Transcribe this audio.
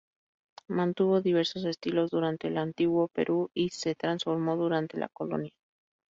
Mantuvo diversos estilos durante el Antiguo Perú y se transformó durante la Colonia.